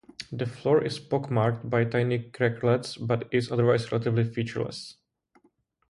The floor is pock-marked by tiny craterlets, but is otherwise relatively featureless.